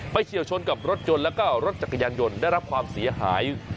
เฉียวชนกับรถยนต์แล้วก็รถจักรยานยนต์ได้รับความเสียหาย